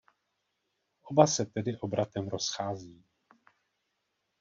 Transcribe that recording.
Oba se tedy obratem rozchází.